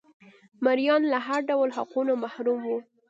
مریان له هر ډول حقونو محروم وو.